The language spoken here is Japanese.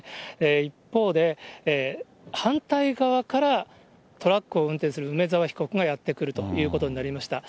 一方で、反対側からトラックを運転する梅沢被告がやって来るということになりました。